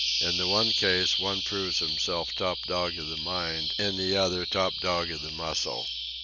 In the one case, one proves himself top dog of the mind; in the other, top dog of the muscle.